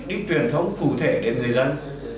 điện truyền thống cụ thể để người dân